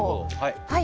はい。